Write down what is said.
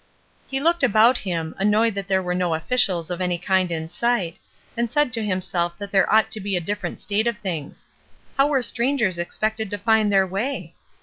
He looked about him, annoyed that there were no officials of any kind in sight, and said to himself that there ought to be a different state of things. How were strangers expected to find their way?